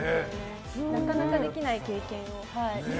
なかなかできない経験。